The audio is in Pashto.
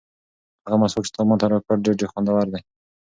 هغه مسواک چې تا ماته راکړ ډېر خوندور دی.